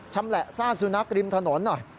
ชำแหละซากสุนัขริมถนนหน่อย